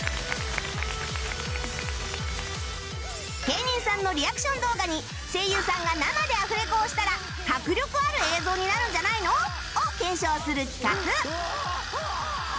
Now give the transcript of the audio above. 芸人さんのリアクション動画に声優さんが生でアフレコをしたら迫力ある映像になるんじゃないの！？を検証する企画